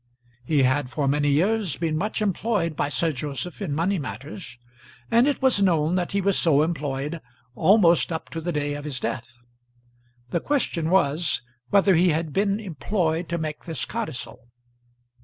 He had for many years been much employed by Sir Joseph in money matters, and it was known that he was so employed almost up to the day of his death. The question was whether he had been employed to make this codicil.